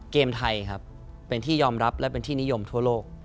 เกมไทยครับเป็นที่ยอมรับและเป็นที่นิยมทั่วโลก